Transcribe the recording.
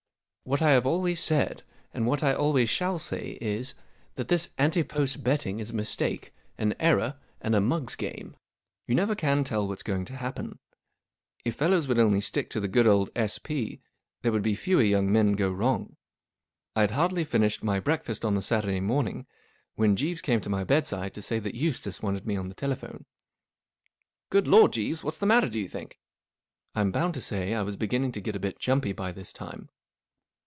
.*..'■ •I W HAT I have always said, , and. what? I always shall say, is, that this 1 ante post betting is a mistake, 1 an error, and a mug's game. You never can tell what's going to happen. 1 If fellows would only stick to the good old S.P. there would be fewer young men go wrong. I'd hardly finished my breakfast on the Saturday morning, when Jeeves came to my bedside to say that Eustace wanted me on the telephone. " Good Lord, Jeeves, what's the matter, do you think ?" I'm bound to say I was beginning to get a bit jumpy by this time.